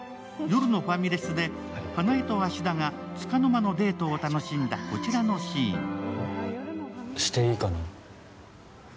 夜のファミレスで花枝と芦田がつかの間のデートを楽しんだこちらのシーン。